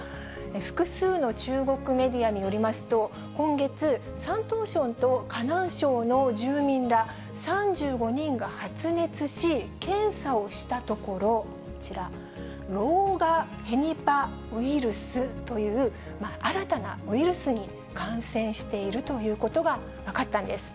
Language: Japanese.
複数の中国メディアによりますと、今月、山東省と河南省の住民ら３５人が発熱し、検査をしたところ、こちら、狼牙ヘニパウイルスという、新たなウイルスに感染しているということが分かったんです。